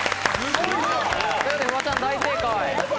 フワちゃん大正解。